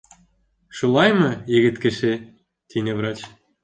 Шулаймы, егет кеше? - тине врач.